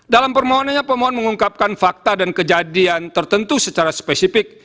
dalam permohonannya pemohon mengungkapkan fakta dan kejadian tertentu secara spesifik